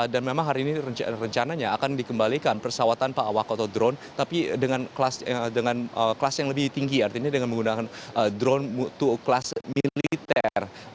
dan memang hari ini rencananya akan dikembalikan persawatan pa awak atau drone tapi dengan kelas yang lebih tinggi artinya dengan menggunakan drone kelas militer